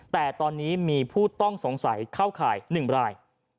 แต่ตอนนี้มีผู้ต้องสงสัยเข้าข่าย๑ราย